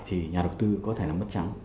thì nhà đầu tư có thể là mất trắng